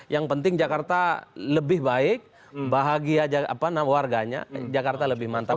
yang penting jakarta lebih baik bahagia warganya jakarta lebih mantap